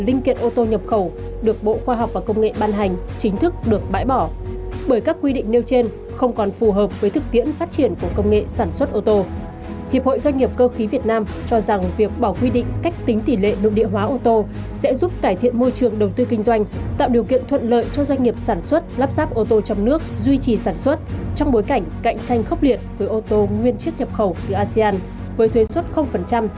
hiệp hội doanh nghiệp cơ khí việt nam cho rằng việc bảo quy định cách tính tỷ lệ nội địa hóa ô tô sẽ giúp cải thiện môi trường đầu tư kinh doanh tạo điều kiện thuận lợi cho doanh nghiệp sản xuất lắp ráp ô tô trong nước duy trì sản xuất trong bối cảnh cạnh tranh khốc liệt với ô tô nguyên chiếc nhập khẩu từ asean với thuế suất từ năm hai nghìn một mươi tám